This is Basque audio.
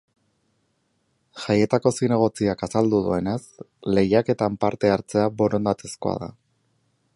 Jaietako zinegotziak azaldu duenez, lehiaketan parte hartzea borondatezkoa da.